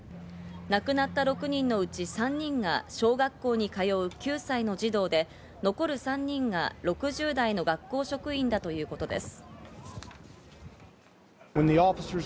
亡くなった６人のうち３人が小学校に通う９歳の児童で、残る３人が６０代の学校職員だということです。